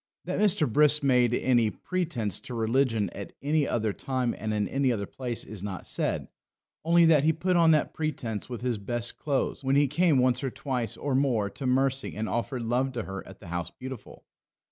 That Mr. Brisk made any pretence to religion at any other time and in any other place is not said; only that he put on that pretence with his best clothes when he came once or twice or more to Mercy and offered love to her at the House Beautiful.